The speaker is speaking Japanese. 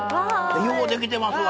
ようできてますわ！